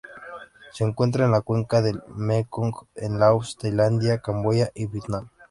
Se encuentra en la cuenca del Mekong en Laos, Tailandia, Camboya y Vietnam.